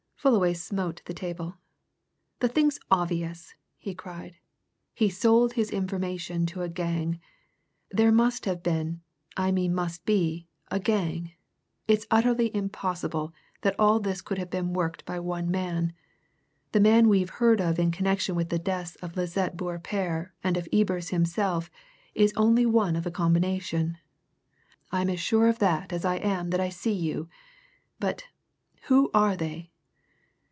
Fullaway smote the table. "The thing's obvious!" he cried. "He sold his information to a gang. There must have been I mean must be a gang. It's utterly impossible that all this could have been worked by one man. The man we've heard of in connection with the deaths of Lisette Beaurepaire and of Ebers himself is only one of the combination. I'm as sure of that as I am that I see you. But who are they?"